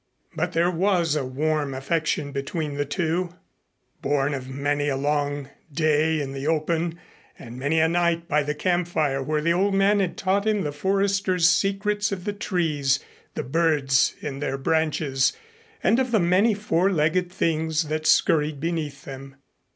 But there was a warm affection between the two, born of many a long day in the open and many a night by the campfire where the old man had taught him the Foresters' secrets of the trees, the birds in their branches and of the many four legged things that scurried beneath them.